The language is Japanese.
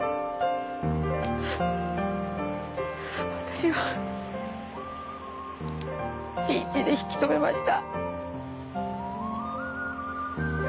私は必死で引き止めました。